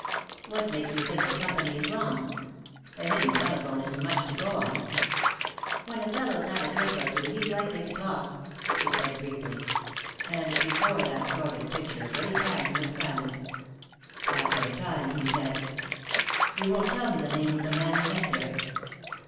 "What makes you think the company is wrong? A hidden telephone isn't much to go on." "When a fellow's had a drink or two, he's likely to talk," she said briefly, and before that sordid picture Willy Cameron was silent. After a time he said: "You won't tell me the name of the man you met there?"